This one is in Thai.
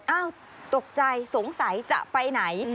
ตกใจสงสัยจะไปไหน